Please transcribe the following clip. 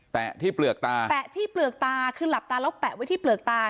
ที่เปลือกตาแตะที่เปลือกตาคือหลับตาแล้วแปะไว้ที่เปลือกตา